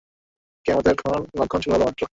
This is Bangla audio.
কেয়ামতের ক্ষণ শুরু হলো মাত্র!